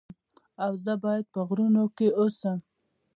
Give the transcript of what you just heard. ایا زه باید په غرونو کې اوسم؟